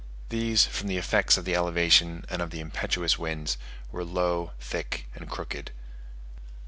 These, from the effects of the elevation and of the impetuous winds, were low, thick and crooked.